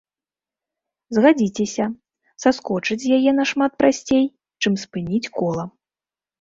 Згадзіцеся, саскочыць з яе нашмат прасцей, чым спыніць кола.